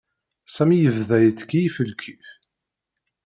Sami yebda yettkeyyif lkif.